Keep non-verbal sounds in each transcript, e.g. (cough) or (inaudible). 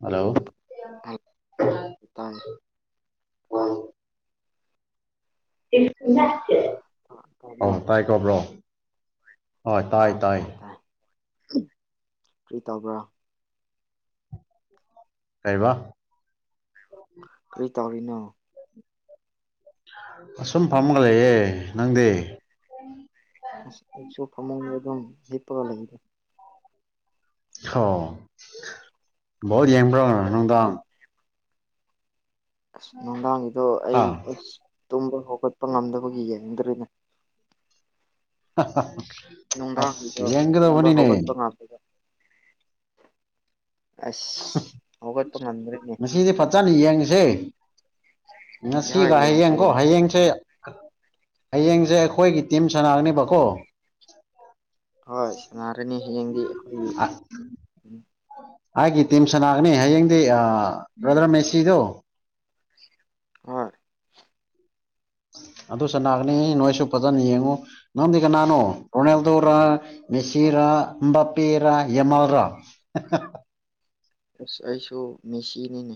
Hello ꯇ ꯌꯦ ꯇꯥꯕ꯭ꯔꯣ ꯑ ꯇꯥꯏ ꯀꯣꯕ꯭ꯔꯣ ꯍꯣꯏ ꯇꯥꯏ ꯇꯥꯏ ꯐ꯭ꯔꯤ ꯇꯧꯕ꯭ꯔꯥꯣ ꯀꯥꯚꯑꯐꯏꯕꯩꯐꯩꯐ ꯀꯔꯤ ꯇꯧꯔꯤꯅꯣ ꯑꯁꯨꯝ ꯐꯝꯃꯒ ꯂꯩꯌꯦꯦ ꯅꯪꯗꯤ ꯑꯁ ꯑꯩꯁꯨ ꯐꯃꯨꯡꯗ ꯑꯗꯨꯝ ꯍꯤꯞꯄꯒ ꯂꯩꯗꯦ ꯑꯣ ꯣꯠ ꯌꯦꯡꯕ꯭ꯔꯣꯅ ꯀꯔꯤ ꯅꯨꯡꯗꯥꯡ ꯑꯁ ꯅꯨꯡꯗꯥꯡꯒꯤꯗꯣ ꯍꯥ ꯑꯩ ꯑꯁ ꯇꯨꯝꯕ ꯍꯧꯒꯠꯄ ꯉꯝꯗꯕꯒꯤ ꯌꯦꯡꯅꯤꯡꯗ꯭ꯔꯔꯤꯅꯦ ꯅꯨꯡꯗꯥꯡꯒꯤꯗꯣ ꯑꯁ ꯌꯦꯒꯗ ꯇꯨꯝꯕ ꯍꯅꯤꯅꯦ ꯍꯧꯒꯠꯄ ꯉꯝꯗꯕ ꯑꯁ ꯍꯧꯒꯠꯄ ꯉꯝꯗ꯭ꯔꯦꯅꯦ ꯉꯁꯤꯗꯤ ꯐꯠꯇꯅ ꯌꯦꯡꯉꯁꯦ ꯍꯣꯏ ꯉꯁꯤꯒ ꯌꯦꯡꯁꯤ ꯍꯌꯦꯡꯀꯣ ꯌꯦꯡꯁꯤ ꯍꯌꯦꯡꯁꯦ ꯍꯌꯦꯡꯁꯦ ꯑꯩꯈꯣꯏꯒꯤ ꯇꯤꯝ ꯁꯅꯥꯅꯦꯕꯀꯣ ꯍꯣꯏ ꯁꯥꯟꯅꯔꯅꯤ ꯍꯌꯦꯡꯗꯤ ꯑꯩꯈꯣꯏꯒꯤ ꯑ ꯎꯝ ꯑꯩꯒꯤ ꯇꯤꯝ ꯁꯅꯥꯒꯅꯤ ꯍꯌꯦꯡꯗꯤ ꯕ꯭ꯔꯗꯔ ꯃꯦꯁꯤꯗꯣ ꯍꯣꯏ ꯑꯗꯨ ꯁꯅꯥꯒꯅꯤ ꯅꯣꯏꯁꯨ ꯐꯖꯅ ꯌꯦꯡꯉꯨ ꯅꯒ ꯅꯥꯟꯣ ꯔꯣꯅꯦꯜꯗꯣ ꯔ ꯃꯦꯁꯤ ꯔꯥ ꯑꯕꯥꯄꯤꯤ ꯔꯔ ꯌꯃꯜ ꯔꯥ (unintelligible) ꯑꯁ ꯑꯩꯁꯨ ꯃꯤꯦꯁꯤꯅꯤꯅꯦ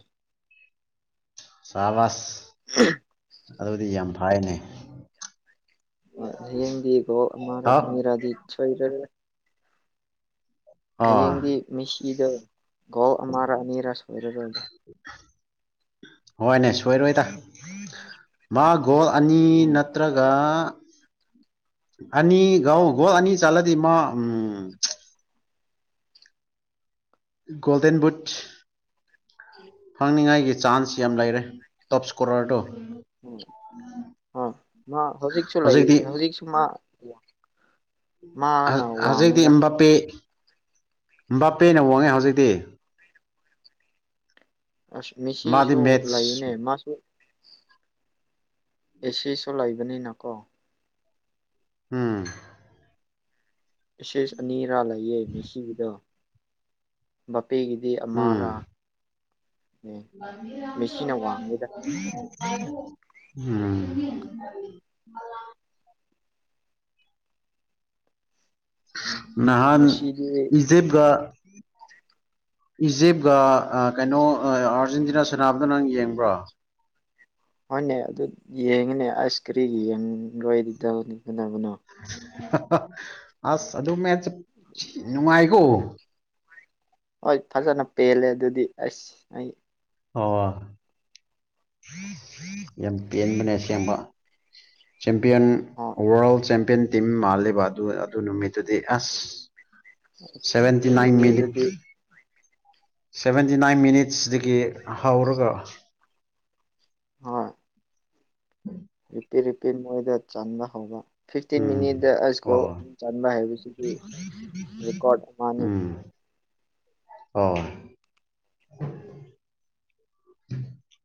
ꯁꯥꯕꯁ ꯍ ꯑꯗꯨꯗꯤ ꯌꯥꯝ ꯐꯥꯏꯅꯦ ꯍꯌꯦꯡꯗꯤꯈꯣ ꯍꯥꯎ ꯑꯔꯔꯥꯗꯤ ꯁꯣꯏꯔꯦ ꯑꯥ ꯍꯌꯦꯡꯗꯤ ꯃꯤꯁꯤꯗꯣ ꯒꯣꯜ ꯑꯃꯔ ꯑꯅꯤꯔ ꯁꯣꯏꯔꯔꯣꯏꯕ ꯍꯣꯏꯅꯦ ꯁꯣꯏꯔꯣꯏꯗ ꯃꯥ ꯒꯣꯜ ꯑꯅꯤ ꯎꯝ ꯅꯠꯇ꯭ꯔꯒ ꯑꯅꯤ ꯉꯥꯎꯒꯣ ꯑꯅꯤ ꯆꯂꯗꯤ ꯃ ꯎꯝ ꯣꯜꯗꯦꯟ ꯕꯨꯠ ꯐꯪꯅꯤꯉꯥꯏꯒꯤ ꯆꯥꯟꯁ ꯌꯥꯝ ꯂꯩꯔꯦ ꯇꯣꯞ ꯏꯁꯀꯣꯔꯔꯗꯨꯣ ꯎꯝ ꯑ ꯃꯥ ꯍꯧꯖꯤꯛꯁꯨ ꯍꯧꯖꯤꯛꯇꯤ ꯂꯩꯔꯤ ꯍꯧꯖꯤꯛꯁꯨ ꯃꯥ ꯃꯥꯅ ꯍꯧꯖꯤꯛꯇꯤ ꯋꯥꯡꯉꯤꯗ ꯏꯕꯥꯄꯦ ꯏꯕꯥꯄꯦꯅ ꯋꯥꯡꯉꯦ ꯍꯧꯖꯤꯛꯇꯤ ꯑꯁ ꯃꯥꯗꯤ ꯃꯤꯁꯤꯁꯨ ꯃꯦꯠꯁ ꯂꯩꯅꯦ ꯃꯥꯁꯨ ꯑꯦ ꯁꯤꯁꯨ ꯂꯩꯕꯅꯤꯅ ꯀꯣ ꯎꯝ ꯑꯦꯁꯦꯁ ꯑꯅꯤꯔꯥ ꯂꯩꯌꯦ ꯃꯤꯁꯤꯒꯤꯗꯣ ꯕꯥꯄꯤꯒꯤꯗꯤ ꯑꯃꯥꯔꯥ ꯋꯥꯡꯉꯤꯗ ꯎꯃ (unintelligible) ꯅꯍꯥꯟ ꯉꯁꯤꯗꯤ ꯏꯖꯦꯞꯒ ꯏꯖꯤꯞꯒ ꯀꯩꯅꯣ ꯑꯥꯔꯖꯦꯟꯇꯤꯅꯥ ꯁꯥꯟꯅꯕꯗ ꯅꯪ ꯌꯦꯡꯕ꯭ꯔꯣ ꯍꯣꯏꯅꯦ ꯑꯗꯨ ꯌꯦꯡꯉꯅꯦ ꯑꯥꯏꯁ ꯀꯔꯤ ꯌꯦꯡꯔꯣꯏꯗꯤ ꯇꯧꯅꯤꯡꯕꯅꯣ ꯑꯁ ꯑꯗꯨ ꯃꯦꯆ ꯅꯨꯡꯉꯥꯏꯈꯣ ꯍꯣꯏ ꯐꯖꯅ ꯄꯦꯜꯂꯦ ꯑꯗꯨꯗꯤ ꯑꯁ ꯑꯩ ꯍ ꯌꯥꯝ ꯄꯦꯟꯕꯅꯦ ꯑꯁꯦꯡꯕ ꯆꯦꯝꯄꯤꯌꯟ ꯍꯣꯏ ꯋꯥꯔꯜ ꯆꯦꯝꯄꯤꯌꯟ ꯇꯤꯝ ꯃꯥꯜꯂꯤꯕ ꯑꯗꯨ ꯑꯗꯨ ꯅꯨꯃꯤꯠꯇꯨꯗꯤ ꯑꯁ ꯁꯚꯦꯟꯇꯤ ꯑꯗꯨ ꯅꯥꯏꯟ ꯃꯤꯅꯤꯠ ꯅꯨꯃꯤꯠꯗꯨꯗꯤ ꯁꯚꯦꯟꯇꯤ ꯅꯥꯏꯟ ꯃꯤꯅꯤꯠꯁꯗꯒꯤ ꯍꯧꯔꯒ ꯍꯣꯏ ꯔꯤꯄꯤꯠ ꯔꯤꯄꯤꯠ ꯃꯣꯏꯗ ꯆꯟꯕ ꯍꯧꯕ ꯐꯤꯐꯇꯤꯟ ꯃꯤꯅꯤꯠ ꯎꯝ ꯏꯁꯀꯣꯜ ꯑꯣ ꯆꯟꯕ ꯍꯥꯏꯕꯁꯤꯗꯤ ꯔꯦꯀꯣꯔꯠ ꯑꯃꯅꯤ ꯎꯝ ꯑꯣ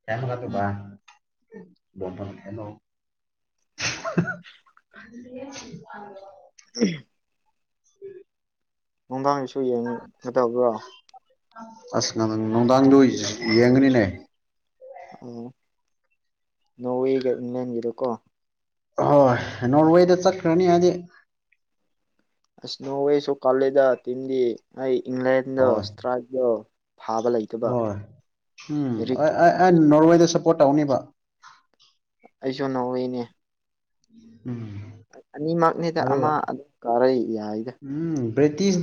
ꯀꯦꯃꯦꯔꯥ ꯇ ꯣ ꯍꯂꯣ (unintelligible) ꯎꯝ ꯅꯨꯡꯗꯥꯡꯒꯤꯁꯨ ꯌꯦꯡꯒꯗꯕ꯭ꯔꯣ ꯑꯁ ꯉ ꯅꯨꯡꯗꯥꯡꯗ ꯌꯦꯡꯒꯅꯤꯅꯦ ꯑ ꯅꯣꯋꯦꯒ ꯏꯪꯂ꯭ꯂꯦꯟꯒꯤꯗꯣꯀꯣ ꯍꯣꯏ ꯅꯣꯔꯋꯦꯗ ꯆꯠꯈ꯭ꯔꯅꯤ ꯍꯥꯏꯗꯤ ꯑꯁ ꯅꯣꯔꯋꯦꯁꯨ ꯀꯥꯂꯦꯗ ꯇꯤꯝꯗꯤ ꯑꯩ ꯏꯪꯂꯦꯟꯗ ꯍꯣꯏ ꯏꯁꯇ꯭ꯔꯥꯏꯗꯣ ꯐꯥꯕ ꯂꯩ ꯍꯣꯏ ꯎꯝ ꯑ ꯅꯣꯔꯋꯦꯗ ꯁꯞꯄꯣꯔꯠ ꯇꯧꯅꯤꯕ ꯑꯩꯁꯨ ꯅꯏꯅꯦ ꯎꯝ ꯑꯅꯤꯃꯛꯅꯤꯗ ꯑꯗꯨꯒ ꯑꯃ ꯑꯗꯨꯝ ꯀꯥꯔꯛ ꯌꯥꯏꯗ ꯎꯝ ꯕ꯭ꯔꯤꯇꯤꯁ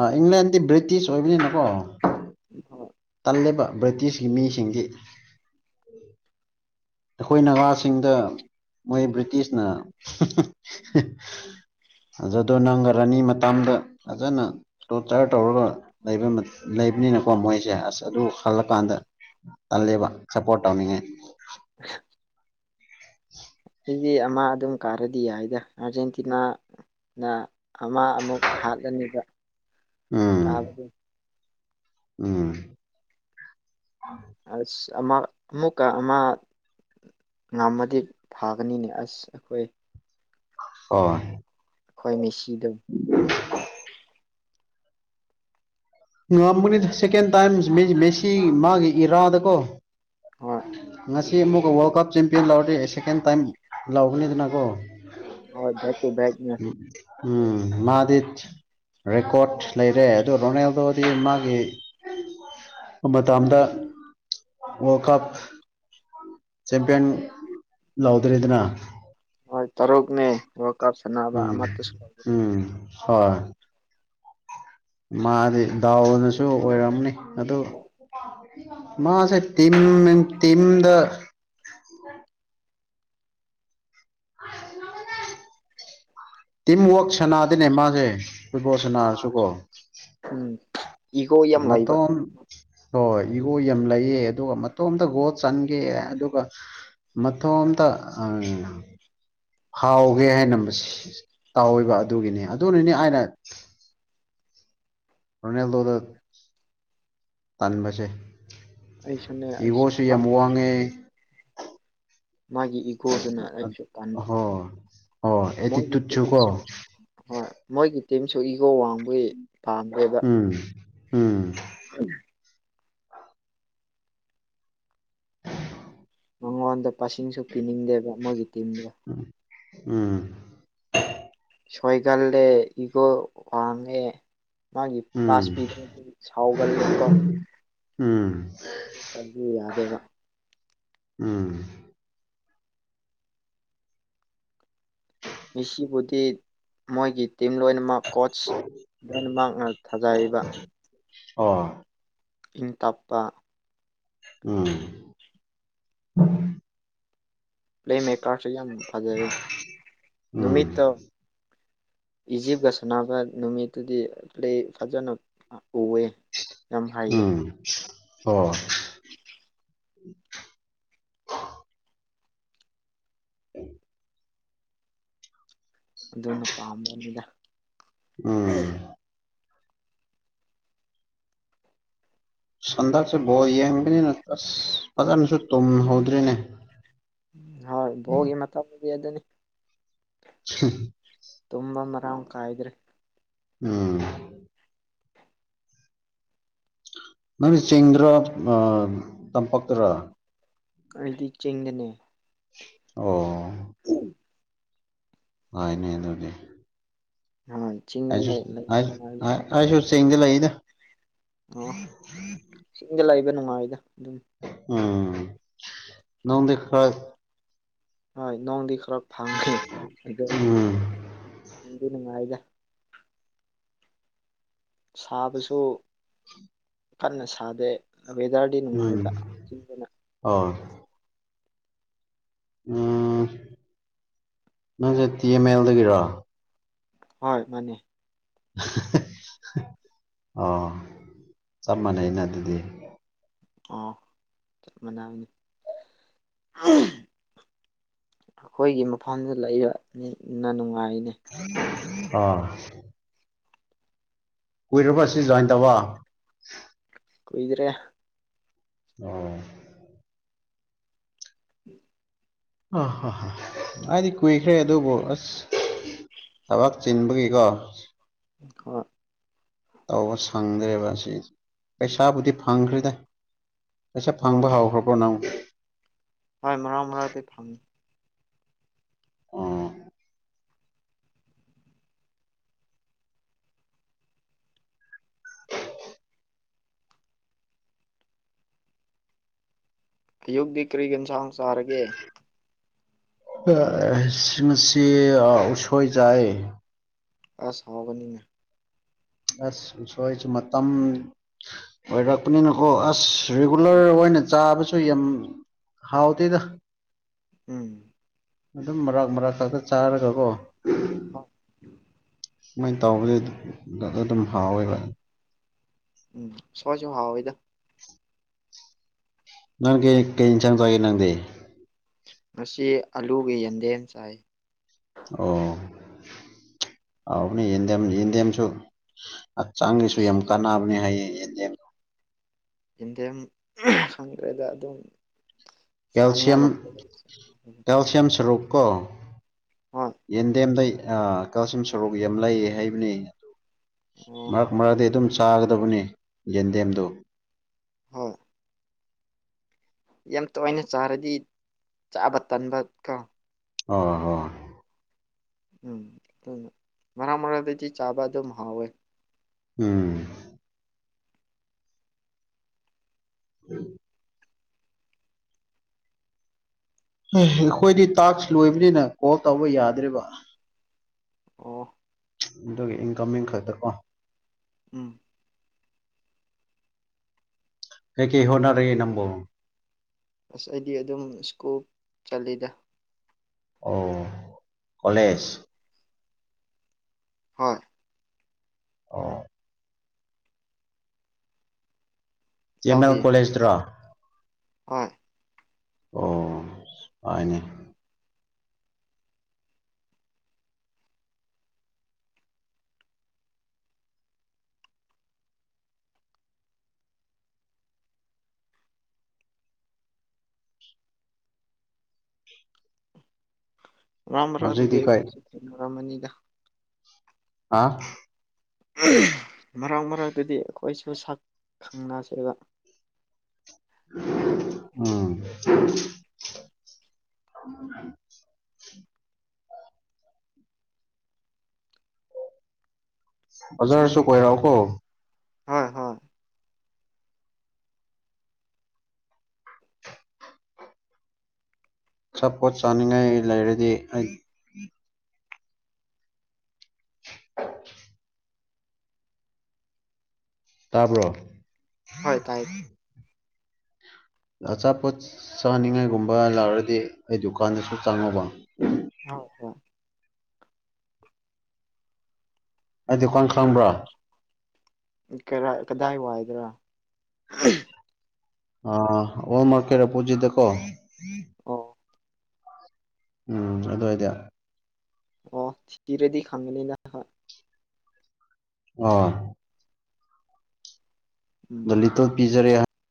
ꯑ ꯏꯪꯂꯦꯟꯗꯤ ꯕ꯭ꯔꯤꯇꯤꯁ ꯑꯣꯏꯕꯅꯤꯅꯀꯣ ꯍꯣꯏ ꯇꯜꯂꯤꯕ ꯕ꯭ꯔꯤꯇꯤꯁꯀꯤ ꯃꯤꯁꯤꯡꯗꯤ ꯑꯩꯈꯣꯏ ꯅꯒꯥꯥꯁꯤꯡꯗ ꯃꯣꯏ ꯕ꯭ꯔꯤꯇꯤꯁꯅ ꯑꯗꯨꯖꯗꯣ ꯅꯪꯒ ꯔꯥꯅꯤ ꯃꯇꯗ ꯐꯖꯅ ꯇꯣ ꯆꯔ ꯇꯧꯔꯒ ꯂꯩ ꯂꯩꯕꯅꯤꯅꯀꯣ ꯃꯣꯏꯁꯦ ꯑꯁ ꯑꯗꯨ ꯍꯜꯂꯀꯥꯟꯗ ꯇꯜꯂꯦꯕ ꯁꯞꯄꯣꯔꯠ ꯇꯧꯅꯤꯡꯉꯦ (inaudible) (inaudible) ꯑꯩꯒꯤ ꯑꯃ ꯑꯗꯨꯝ ꯀꯥꯔꯗꯤ ꯌꯥꯏꯗ ꯑꯥꯔꯖꯦꯟꯇꯤꯅꯥ ꯅ ꯑꯃ ꯑꯃꯨꯛ ꯍꯥꯠꯂꯅꯤꯕ ꯎꯝ ꯀꯥꯕꯗ ꯎꯝ ꯑ ꯑꯃ ꯑꯃꯨꯀ ꯑꯃ ꯉꯝꯃꯗꯤ ꯐꯥꯒꯅꯤꯅꯦ ꯑꯁ ꯑꯩꯈꯣꯏ ꯍꯣꯏ ꯈꯈꯣꯏ ꯃꯤꯁꯤꯗ ꯑ ꯉꯉꯝꯕꯅꯤ ꯁꯦꯀꯦꯟ ꯇꯥꯏꯝ ꯃꯦꯁꯤ ꯃꯥꯒꯤ ꯏꯔꯥꯗ ꯀꯣ ꯍꯣꯏ ꯉꯁꯤ ꯑꯃꯨꯛꯀ ꯋꯥꯔꯜ ꯀꯞ ꯆꯦꯝꯄꯤꯌꯟ ꯂꯥꯎꯗꯤ ꯁꯦꯀꯦꯟ ꯇꯥꯏꯝ ꯂꯥꯎꯧꯕꯅꯤꯗꯅꯀꯣ ꯍꯦꯏ‌‌ ꯕꯦꯛ ꯇꯨ ꯕꯦꯛꯅꯤ ꯎꯝ ꯃꯥꯗꯤ ꯔꯦꯀꯣꯔꯠ ꯂꯩꯔꯦ ꯑꯗꯣ ꯔꯣꯅꯦꯜꯗꯣꯗꯤ ꯃꯥꯒꯤ ꯃꯇꯝꯗ ꯀꯠꯁ ꯆꯦꯝꯄꯤꯌꯟ ꯂꯥꯎꯗ꯭ꯔꯦꯗꯅ ꯍꯣꯏ ꯇꯔꯨꯛꯅꯦ ꯋꯥꯜ ꯀꯥꯞ ꯁꯥꯟꯅꯕ ꯎꯝ ꯑꯃꯇꯁꯨ ꯉꯝꯒꯤꯗꯦ ꯎꯝ ꯍꯣꯏ ꯃꯥꯗꯤ ꯗꯥꯎꯅꯁꯨ ꯑꯣꯏꯔꯝꯅꯤ ꯑꯗꯨ ꯃꯥꯁꯦ ꯇꯤꯝ ꯇꯝꯗ ꯇꯤꯝ ꯋꯥꯛ ꯁꯅꯥꯗꯤꯅꯦ ꯃꯥꯁꯦ ꯐꯨꯠꯕꯣꯜ ꯁꯟꯅꯔꯁꯨꯀꯣ ꯎꯝ ꯏꯒꯣ ꯌꯥꯝ ꯂꯩꯕ ꯃꯇꯣꯟ ꯍꯣꯏ ꯏꯒꯣ ꯌꯥꯝ ꯂꯩꯌꯦ ꯑꯗꯨꯒ ꯃꯇꯣꯝꯇ ꯒꯣꯋꯜ ꯆꯟꯒꯦ ꯑꯗꯨꯒ ꯃꯇꯣꯝꯇ ꯑ ꯍꯥꯎꯒꯦ ꯍꯥꯏꯅ ꯇꯥꯎꯕ ꯑꯗꯨꯒꯤꯅꯤ ꯑꯗꯨꯅꯅꯦ ꯑꯩꯅ ꯔꯅꯦꯜꯗꯣꯗ ꯇꯥꯟꯕꯁꯦ ꯑꯩꯁꯨꯅꯦ ꯑꯁ ꯏꯒꯣꯁꯨ ꯌꯥꯝ ꯃꯥꯒꯤ ꯋꯥꯡꯉꯦ ꯃꯥꯒꯤ ꯏꯒꯣꯗꯨꯅ ꯑꯩꯁꯨ ꯇꯟꯕ ꯍꯣꯏ ꯍꯣꯏ ꯃꯣꯏꯒꯤ ꯑꯦꯇꯤꯇꯨꯠꯁꯨ ꯀꯣ (inaudible) ꯍꯣꯏ ꯃꯣꯏꯒꯤ ꯇꯤꯝꯁꯨ ꯏꯒꯣ ꯋꯥꯡꯕꯒꯤ ꯄꯥꯝꯗꯦ ꯎꯝ ꯎꯝ (unintelligible) ꯃꯉꯣꯟꯗ ꯄꯥꯁꯤꯡꯁꯨ ꯄꯤꯅꯤꯡꯗꯦꯕ ꯃꯣꯏꯒꯤ ꯇꯤꯝꯗꯣ ꯎꯝ ꯎꯝ ꯁꯣꯏꯒꯜꯂꯦ ꯏꯒꯣ ꯋꯥꯉꯦ ꯃꯥꯒꯤ ꯎꯝ ꯄꯥꯁ ꯄꯤ (unintelligible) ꯁꯥꯎꯒꯜꯂꯦ ꯀꯣ ꯎꯝ ꯀꯟꯕꯤꯌꯨ ꯌꯥꯗꯦꯕ ꯎꯝ ꯃꯤꯁꯤꯕꯨꯗꯤ ꯃꯣꯏꯒꯤ ꯇꯤꯝ ꯂꯣꯏꯅꯃꯛ ꯀꯣꯁ ꯂꯣꯏꯅꯃꯛꯅ ꯊꯥꯖꯩꯕ ꯑꯣ ꯏꯪ ꯇꯞꯄꯥ ꯎꯝ ꯄ꯭ꯂꯦ ꯃꯦꯀꯔꯁꯨ ꯌꯥꯝ ꯐꯖꯩꯌꯦ ꯎꯝ ꯅꯨꯃꯤꯠꯇꯣ ꯏꯖꯤꯞꯀ ꯁꯥꯟꯅꯕ ꯅꯨꯃꯤꯠꯇꯨꯗꯤ ꯄ꯭ꯂꯦ ꯐꯖꯅ ꯎꯑꯦ ꯎꯝ ꯑꯣ ꯑꯗꯨꯅ ꯄꯥꯝꯃꯣꯝꯅꯤꯗ ꯎꯝ ꯍꯟꯗꯛꯁꯦ ꯕꯣꯜ ꯌꯦꯡꯕꯅꯤꯅ ꯑꯁ ꯐꯖꯅꯁꯨ ꯇꯨꯝꯍꯧꯗ꯭ꯔꯦꯅꯦ ꯍꯣꯏ ꯕꯣꯜꯒꯤ ꯃꯇꯝꯗꯨꯗꯤ ꯑꯗꯨꯅꯤ (unintelligible) ꯇꯨꯝꯕ ꯃꯔꯥꯡ ꯀꯥꯏꯗ꯭ꯔ‌ꯦ ꯎꯝ ꯅꯪ ꯆꯤꯡꯗꯔꯣ ꯑꯥ ꯇꯝꯄꯥꯛꯇ꯭ꯔ ꯑꯩꯗꯤ ꯆꯤꯡꯗꯅꯦ ꯑꯣ (inaudible) ꯉꯥꯏꯅꯤ ꯑꯗꯨꯗꯤ ꯑ ꯆꯤꯡꯗꯤ ꯑꯩꯁꯨ ꯂꯩ ꯂꯩꯕ ꯑꯩ ꯅꯨꯡꯉꯥꯏꯕ ꯑꯩ ꯑꯩꯁꯨ ꯆꯤꯡꯗ ꯂꯩꯗ ꯑꯣ ꯆꯤꯡꯗ ꯂꯩꯕ ꯅꯨꯡꯉꯥꯏꯗ ꯑꯗꯨꯝ ꯎꯝ ꯅꯣꯡꯗꯤ ꯈ꯭ꯔꯥ ꯍꯣꯏ ꯅꯣꯡꯗꯤ ꯈꯔ ꯐꯪꯈꯔꯦ ꯑꯗꯣ ꯎꯝ ꯅꯨꯡꯗꯤ ꯅꯨꯡꯉꯥꯏꯗ ꯁꯥꯕꯁꯨ ꯀꯟꯅ ꯁꯥꯗꯦ ꯋꯦꯗꯔ ꯎꯝ ꯑꯣ ꯎꯝ ꯅꯪꯁꯦ ꯇꯤ ꯑꯦꯝ ꯑꯦꯜꯗꯒꯤꯔꯥ ꯍꯣꯏ ꯃꯥꯅꯤ (unintelligible) ꯑꯣ ꯆꯞ ꯃꯥꯟꯅꯩꯅ ꯑꯗꯨꯗꯤ ꯑꯣ ꯆꯞꯃꯥꯟꯅꯕꯅꯤ (unintelligible) ꯑꯩꯈꯣꯏꯒꯤ ꯃꯐꯝꯗꯨ ꯂꯩꯕꯅꯤꯅ ꯅꯨꯡꯉꯥꯏꯅꯦ (unintelligible) ꯑꯥ ꯀꯨꯏꯔꯕ ꯁꯤ ꯖꯣꯏꯟ ꯇꯧꯕ ꯀꯨꯏꯗ꯭ꯔꯦ ꯑꯣ (inaudible) (unintelligible) ꯑꯩꯗꯤ ꯀꯨꯏꯈ꯭ꯔꯦ ꯑꯗꯨꯕꯨ ꯑꯁ ꯊꯕꯛ ꯆꯤꯟꯕꯒꯤꯀꯣ ꯍꯣꯏ꯫ ꯇꯧꯕ ꯁꯪꯗ꯭ꯔꯦꯕ ꯑꯁꯤ ꯄꯩꯁꯥꯕꯨꯗꯤ ꯐꯪꯈ꯭ꯔꯦꯗ ꯄꯩꯁꯥ ꯍꯣꯏ ꯐꯪꯕ ꯍꯥꯎꯈ꯭ꯔꯕꯣ ꯅꯪꯕꯣ꯫ ꯍꯣꯏ ꯃꯔꯥꯛ ꯃꯔꯥꯛꯗꯤ ꯐꯪꯏ꯫ ꯑꯣ ꯑꯌꯨꯛꯛꯇꯤ ꯀꯔꯤ ꯀꯟꯁꯥꯡ ꯆꯥꯔꯒꯦ꯫ ꯁꯤꯡ ꯑꯁꯤ ꯎꯠꯁꯣꯏ ꯌꯥꯥꯏ꯫ ꯑꯁ ꯍꯥꯎꯒꯅꯤꯅꯦ꯫ ꯑꯁ ꯑꯨꯁꯣꯏꯖꯨ ꯃꯇꯝ ꯑꯣꯏꯔꯛꯄꯅꯤꯅꯀꯣ ꯑꯁ ꯔꯤꯒꯨꯂꯔ ꯍꯣꯏ ꯑꯣꯏꯅ ꯆꯥꯕꯁꯨ ꯌꯥꯝ ꯍꯥꯎꯇꯦꯗ ꯎꯝ ꯑꯗꯨꯝ ꯃꯔꯥꯛ ꯃꯔꯥꯛ ꯈꯛꯇ ꯆꯥꯔꯒꯀꯣ (inaudible) ꯁꯨꯃꯥꯏꯅ ꯇꯧꯕꯧꯕꯗꯤ ꯑꯗꯨꯝ ꯍꯥꯎꯋꯦꯕ ꯎꯝ ꯁ꯭ꯋꯥꯏꯁꯨ ꯍꯥꯎꯋꯦꯗ꯫ ꯅꯪꯗꯤ ꯀꯩ ꯏꯟꯁꯥꯡ ꯆꯥꯒꯦ ꯅꯪꯗꯤ꯫ ꯃꯁꯤ ꯑꯂꯨꯒꯤ ꯌꯦꯟꯗꯦꯝ ꯆꯥꯏ꯫ ꯑꯣ ꯍꯥꯎꯕꯅꯤ ꯌꯦꯟꯗꯦꯝꯁꯨ ꯌꯦꯟꯗꯦꯝꯁꯨ꯫ ꯑ ꯆꯥꯡꯉꯁꯨ ꯌꯥꯝ ꯀꯥꯟꯅꯕꯅꯦ ꯍꯥꯏꯌꯦ꯫ ꯌꯦꯟꯗꯦꯝ ꯏꯟꯗꯤꯌꯦꯝ ꯈꯪꯗ꯭ꯔꯦꯗ ꯑꯗꯨꯝ ꯆꯥꯅꯤꯡꯉꯥꯏ ꯀꯦꯜꯁꯤꯌꯝ ꯂꯩꯇꯦ ꯀꯦꯜꯁꯤꯌꯝ ꯁꯔꯨꯛ ꯀꯣ ꯍꯣꯏ ꯌꯦꯟꯗꯦꯝꯗꯩ ꯑ ꯀꯥꯁꯤꯝ ꯁꯣꯔꯣꯒꯤ ꯌꯥꯝ ꯂꯩꯑꯦ ꯍꯥꯏꯕꯅꯦ ꯑꯗꯨ ꯑꯣ ꯃꯍꯥꯛ ꯃꯔꯗꯤ ꯑꯗꯨꯝ ꯆꯥꯒꯗꯕꯅꯤ ꯌꯦꯟꯗꯦꯝꯗꯣ ꯍꯣꯏ ꯌꯥꯝ ꯇꯣꯏꯅ ꯆꯥꯔꯗꯤ ꯆꯥꯕ ꯇꯟꯕ ꯀꯣ ꯑꯣ ꯍꯣꯏ ꯎꯝ ꯑꯗꯨꯅ ꯃꯔꯥꯡ ꯃꯔꯗꯗꯤ ꯆꯥꯕ ꯑꯗꯨꯝ ꯍꯥꯎꯋꯦ꯫ ꯎꯝ (inaudible) ꯑꯩꯈꯣꯏꯗꯤ ꯇꯥꯛꯁ ꯂꯣꯏꯕꯅꯤꯅ ꯀꯣꯜ ꯇꯧꯕ ꯌꯥꯗ꯭ꯔꯤꯕ ꯑꯣ ꯑꯗꯨꯒꯒꯤ ꯏꯟꯀꯝꯃꯤꯡ ꯈꯛꯇ ꯑꯣ ꯎꯝ ꯍꯦꯀꯦ ꯍꯣꯅꯔꯒꯦ ꯅꯪꯕꯨ꯫ ꯑꯁ ꯑꯩꯗꯤ ꯑꯗꯨꯝ ꯁ꯭ꯀꯨꯜ ꯆꯠꯂꯤꯗ ꯑꯣ ꯀꯂꯦꯖ ꯍꯣꯏ ꯑꯣ ꯇꯤ ꯑꯦꯝ ꯏꯇꯥꯎꯗꯤ ꯑꯦꯜ ꯀꯣꯂꯦꯖꯇ꯭ꯔꯣ꯫ ꯍꯣꯏ ꯑꯣ ꯍꯥꯏꯅꯦ꯫ ꯔꯝ ꯔꯥꯝ ꯍꯧꯖꯤꯛꯇꯤ ꯀꯩ ꯗꯦꯣꯁꯤꯅꯔꯃꯅꯤꯗ ꯍꯥ ꯃꯔꯛ ꯃꯔꯛꯇꯗꯤ ꯑꯩꯈꯣꯏꯁꯨ ꯁꯛ ꯈꯪꯅꯁꯦꯕ ꯎꯝ (inaudible) ꯕꯖꯥꯔꯁꯨ ꯀꯣꯏꯔꯛꯎꯀꯣ ꯍꯣꯏ ꯍꯣꯏ ꯑꯆꯥꯥꯄꯣꯠ ꯆꯥꯅꯤꯡꯉꯥꯏ ꯂꯩꯔꯗꯤ ꯑꯩ (inaudible) ꯇꯥꯕ꯭ꯔꯣ ꯍꯣꯏ ꯇꯥꯏ ꯑꯆꯥꯄꯣꯠ ꯆꯥꯅꯤꯡꯉꯥꯏꯒꯨꯝꯕ ꯂꯥꯎꯔꯗꯤ ꯑꯩ ꯗꯨꯀꯥꯟꯗꯁꯨ ꯆꯪꯉꯨꯕ (unintelligible) ꯑꯩ ꯗꯨꯀꯥꯟ ꯈꯪꯕ꯭ꯔꯥ ꯀꯔꯥꯏ ꯀꯗꯥꯏ ꯋꯥꯏꯗ꯭ꯔꯥ (unintelligible) ꯑ ꯑꯣꯔ ꯝꯔꯀꯦ ꯑꯣꯄꯨꯖꯤꯗꯀꯣ ꯑꯣ ꯎꯝ ꯑꯗꯨ ꯑꯣꯏꯗꯤ ꯑꯣ (unintelligible) ꯑꯣ ꯎꯝ ꯗ ꯂꯤꯇꯣ ꯄꯤꯖꯔꯦ